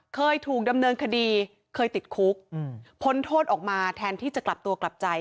เคยถูกดำเนินคดีเคยติดคุกพ้นโทษออกมาแทนที่จะกลับตัวกลับใจ